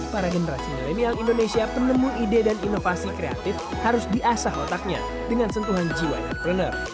para generasi milenial indonesia penemu ide dan inovasi kreatif harus diasah otaknya dengan sentuhan jiwa entrepreneur